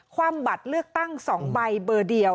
ความบัตรเลือกตั้ง๒ใบเบอร์เดียว